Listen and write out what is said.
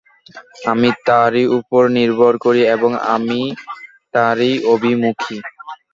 আমি তাঁরই উপর নির্ভর করি এবং আমি তারই অভিমুখী।